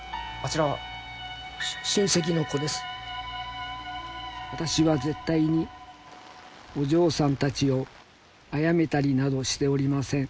し親戚「私は絶対にお嬢さんたちを殺めたりなどしておりません」。